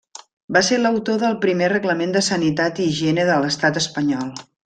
Va ser l'autor del primer Reglament de Sanitat i Higiene a l'Estat espanyol.